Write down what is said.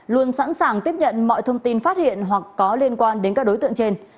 luôn sẵn sàng tiếp nhận mọi thông tin phát hiện hoặc có liên quan đến các đối tượng trên